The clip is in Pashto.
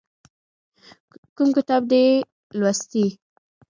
کوم کتاب دې یې لوستی؟